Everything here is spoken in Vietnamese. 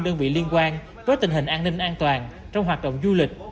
đơn vị liên quan với tình hình an ninh an toàn trong hoạt động du lịch